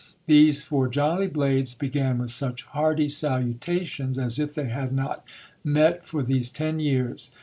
These four jolly blades began with such hearty salutations, as if they had not met for these ten years.